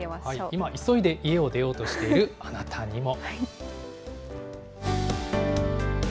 今、急いで家を出ようとしているあなたにも。